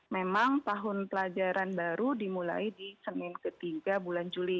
memang tahun pelajaran baru dimulai di senin ketiga bulan juli